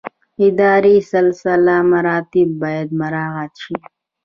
اداري سلسله مراتب باید مراعات شي